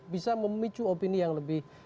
bisa memicu opini yang lebih